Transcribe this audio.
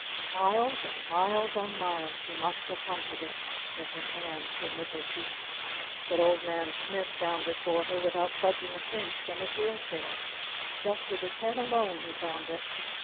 Miles and miles and miles she must have hunted it with her hands and with her feet! But Old Man Smith found it for her without budging an inch from his wheel chair! Just with his head alone he found it!